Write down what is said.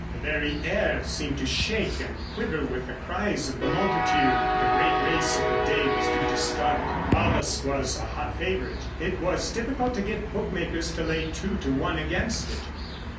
The very air seemed to shake and quiver with the cries of the multitude. The great race of the day was due to start. Paulus was a hot favourite. It was difficult to get bookmakers to lay two to one against it.